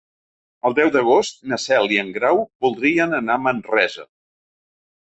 El deu d'agost na Cel i en Grau voldrien anar a Manresa.